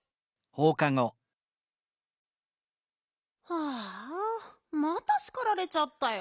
はあまたしかられちゃったよ。